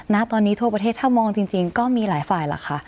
ณตอนนี้ทั่วประเทศถ้ามองจริงก็มีหลายฝ่ายล่ะค่ะ